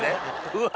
うわ！